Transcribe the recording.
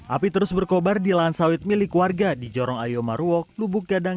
api terus berkobar di lahan sawit milik warga di jorong ayo maruok lubuk gadang